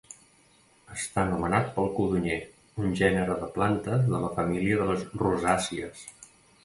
Està anomenat pel codonyer, un gènere de plantes de la família de les rosàcies.